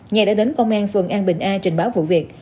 nhà đã đến công an phường an bình a trình báo vụ việc